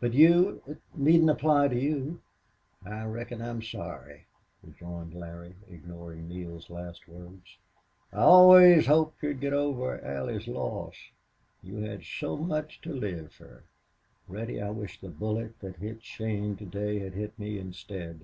"But you it needn't apply to you." "I reckon I'm sorry," rejoined Larry, ignoring Neale's last words. "I always hoped you'd get over Allie's loss.... You had so much to live fer." "Reddy, I wish the bullet that hit Shane to day had hit me instead....